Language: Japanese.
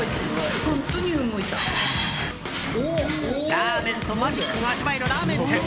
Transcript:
ラーメンとマジックが味わえるラーメン店。